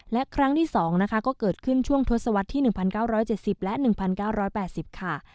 และครั้งที่สองนะคะก็เกิดขึ้นช่วงทศวรรษที่หนึ่งพันเก้าร้อยเจ็ดสิบและหนึ่งพันเก้าร้อยแปดสิบค่ะ